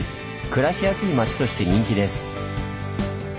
暮らしやすい町として人気です。